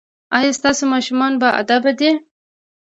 ایا ستاسو ماشومان باادبه دي؟